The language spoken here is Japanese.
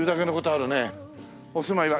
「お住まいは？」